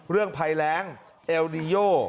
เรื่องภัยแหลงเอลดีโย